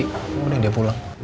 kemudian dia pulang